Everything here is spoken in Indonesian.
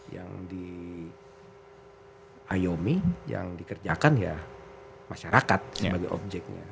yang di iomi yang dikerjakan ya masyarakat sebagai objeknya